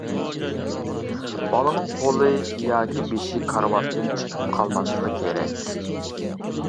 بالىنىڭ قولى ياكى بېشى كارىۋاتتىن چىقىپ قالماسلىقى كېرەك.